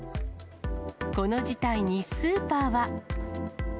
この事態にスーパーは。